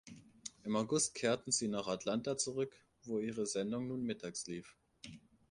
Im August kehrten sie nach Atlanta zurück, wo ihre Sendung nun mittags lief.